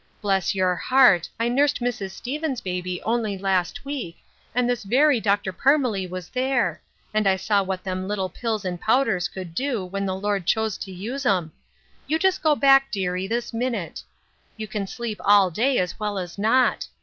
Bless youi heart, I nursed Mrs. Stevens' baby only last week, and this very Dr. Parmelee was there ; and I saw what them little pills and powders could do when the Lord chose to use 'em. You just go back, dearie, this minute. You can sleep all day as well as not.